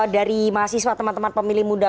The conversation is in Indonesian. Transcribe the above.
dari mahasiswa teman teman pemilih muda